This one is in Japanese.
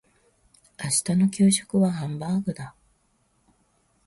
明日の給食はハンバーグだ。